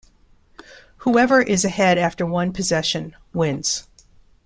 Whoever is ahead after one possession wins.